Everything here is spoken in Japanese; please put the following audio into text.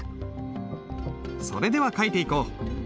それでは書いていこう。